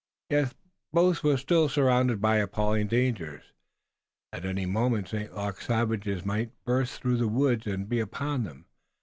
Yet both were still surrounded by appalling dangers. At any moment St. Luc's savages might burst through the woods and be upon them.